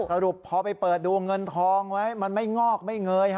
สรุปพอไปเปิดดูเงินทองไว้มันไม่งอกไม่เงย